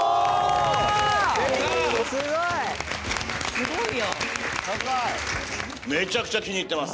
すごいやん！